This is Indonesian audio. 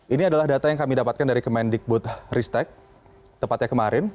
ini adalah data yang kami dapatkan dari kemendikbud ristek tepatnya kemarin